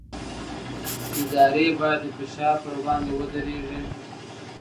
ادارې باید د فشار پر وړاندې ودرېږي